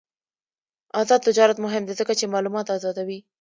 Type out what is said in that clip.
آزاد تجارت مهم دی ځکه چې معلومات آزادوي.